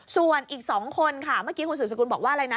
ส่วนอีก๒คนค่ะเมื่อกี้คุณสืบสกุลบอกว่าอะไรนะ